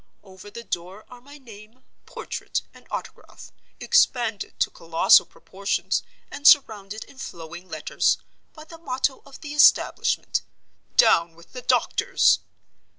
Over the door are my name, portrait, and autograph, expanded to colossal proportions, and surrounded in flowing letters, by the motto of the establishment, 'Down with the Doctors!